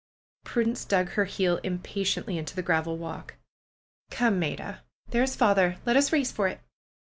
Prudence dug her heel impatiently into the graveled walk. "Come, Maida! There's father! Let us race for it!"